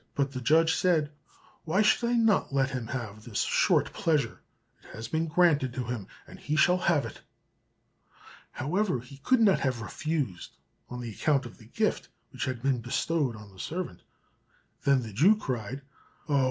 But the judge said, "Why should I not let him have this short pleasure? it has been granted to him, and he shall have it." However, he could not have refused on account of the gift which had been bestowed on the servant. Then the Jew cried, "Oh!